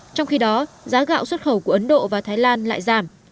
trong khi đó giá gạo xuất khẩu của ấn độ và thái lan lại giảm